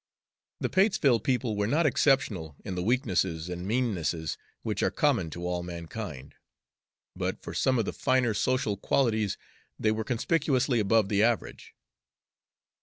The Patesville people were not exceptional in the weaknesses and meannesses which are common to all mankind, but for some of the finer social qualities they were conspicuously above the average.